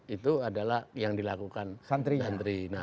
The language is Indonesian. itu adalah yang dilakukan santri